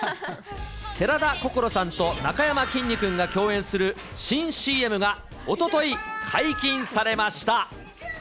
寺田心さんとなかやまきんに君が共演する新ＣＭがおととい、解禁されました。